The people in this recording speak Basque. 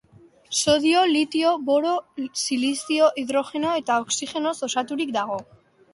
Sodio, litio, boro, silizio, hidrogeno eta oxigenoz osaturik dago.